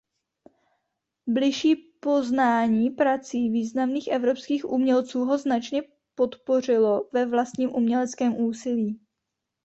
Bližší poznání prací významných evropských umělců ho značně podpořilo ve vlastním uměleckém úsilí.